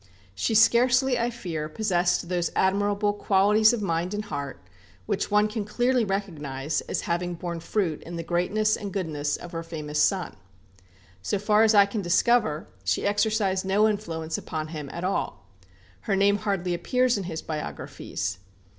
She scarcely, I fear, possessed those admirable qualities of mind and heart which one can clearly recognize as having borne fruit in the greatness and goodness of her famous son. So far as I can discover, she exercised no influence upon him at all. Her name hardly appears in his biographies.